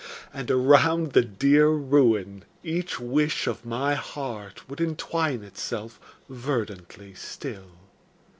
And around the dear ruin each wish of my heart Would entwine itself verdantly still.